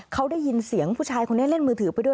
เขาได้ยินเสียงผู้ชายคนนี้เล่นมือถือไปด้วย